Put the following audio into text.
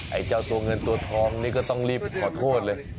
ไอ้เจ้าตัวเงินตัวทองนี่ก็ต้องรีบขอโทษเลย